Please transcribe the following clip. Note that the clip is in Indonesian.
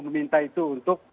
meminta itu untuk